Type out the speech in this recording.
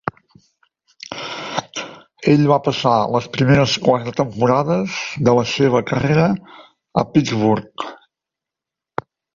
Ell va passar les primeres quatre temporades de la seva carrera a Pittsburgh.